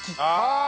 ああ！